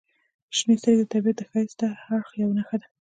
• شنې سترګې د طبیعت د ښایسته اړخ یوه نښه ده.